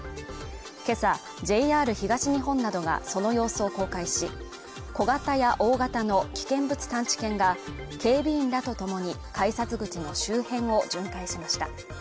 今朝、ＪＲ東日本などがその様子を公開し、小型や大型の危険物探知犬が警備員らとともに改札口の周辺を巡回しました。